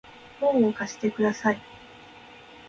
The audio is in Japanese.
本を貸してください